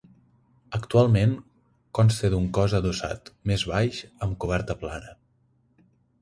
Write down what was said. Actualment consta d'un cos adossat, més baix, amb coberta plana.